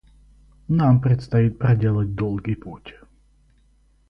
Нам предстоит проделать долгий путь.